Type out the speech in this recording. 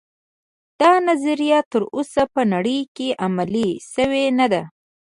دا نظریه تر اوسه په نړۍ کې عملي شوې نه ده